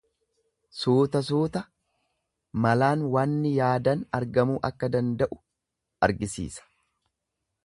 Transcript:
Suuta suuta, malaan waanni yaadan argamuu akka danda'u argisiisa.